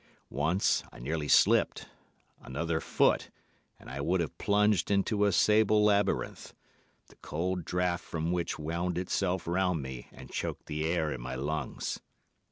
Once, I nearly slipped; another foot, and I would have plunged into a sable labyrinth, the cold draught from which wound itself round me and choked the air in my lungs.